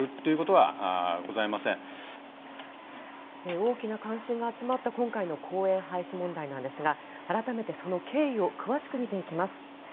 大きな関心が集まった今回の公園廃止問題ですが改めて、その経緯を詳しく見ていきます。